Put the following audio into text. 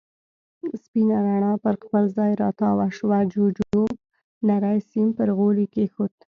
سپينه رڼا پر خپل ځای را تاوه شوه، جُوجُو نری سيم پر غولي کېښود.